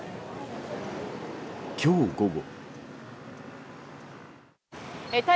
今日午後。